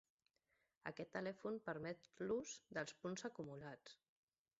Aquest telèfon permet l'ús dels punts acumulats.